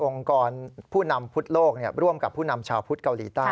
กรผู้นำพุทธโลกร่วมกับผู้นำชาวพุทธเกาหลีใต้